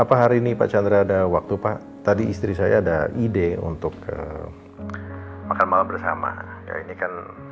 apa hari ini pacar ada waktu pak tadi istri saya ada ide untuk ke makan malam bersama